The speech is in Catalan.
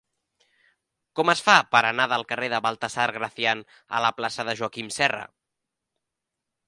Com es fa per anar del carrer de Baltasar Gracián a la plaça de Joaquim Serra?